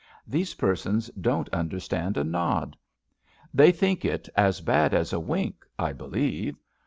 These persons don't understand a nod; they think it as bad as a wink, I believe.